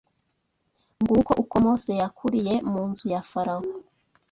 Nguko uko Mose yakuriye mu nzu ya Farawo